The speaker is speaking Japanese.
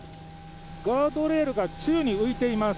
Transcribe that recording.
ガードレールが宙に浮いています。